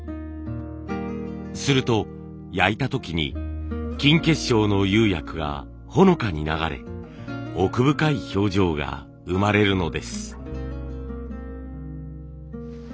すると焼いた時に金結晶の釉薬がほのかに流れ奥深い表情が生まれるのです。